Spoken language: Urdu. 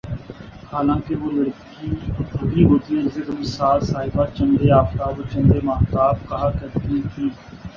حالانکہ وہ لڑکی وہی ہوتی ہے جسے کبھی ساس صاحبہ چندے آفتاب اور چندے ماہتاب کہا کرتی تھیں